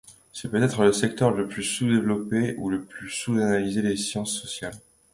C'est peut-être le secteur le plus sous-développé ou le plus sous-analysé des sciences sociales.